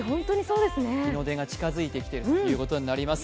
日の出が近づいてきているということになります。